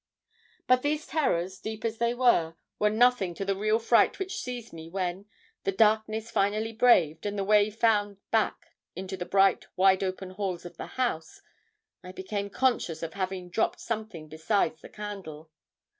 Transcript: "But these terrors, deep as they were, were nothing to the real fright which seized me when, the darkness finally braved, and the way found back into the bright, wide open halls of the house, I became conscious of having dropped something besides the candle.